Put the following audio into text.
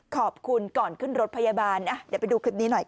ขอบคุณก่อนขึ้นรถพยาบาลเดี๋ยวไปดูคลิปนี้หน่อยค่ะ